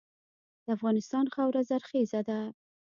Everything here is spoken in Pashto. د افغانستان خاوره زرخیزه ده.